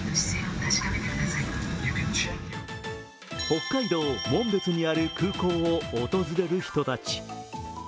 北海道・紋別にある空港を訪れる人たち。